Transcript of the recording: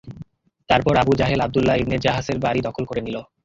তারপর Abu Jahl Abdullah ibn জাহাসের বাড়ী দখল করে নিল।